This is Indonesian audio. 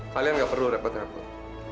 kalian gak perlu repot repot